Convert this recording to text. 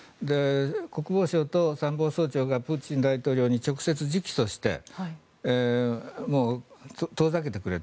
国防相と参謀総長がプーチン大統領に直接、直訴してもう遠ざけてくれと。